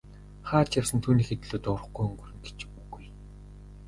Хаа ч явсан түүнийхээ төлөө дуугарахгүй өнгөрнө гэж үгүй.